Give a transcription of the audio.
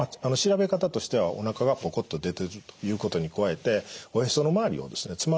調べ方としてはおなかがポコッと出ているということに加えておへその周りをですね